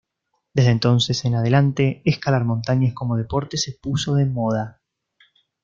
Desde entonces en adelante, escalar montañas como deporte se puso de moda.